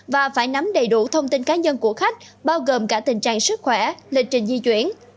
và phải nắm đầy đủ thông tin cá nhân của khách bao gồm cả tình trạng sức khỏe lịch trình di chuyển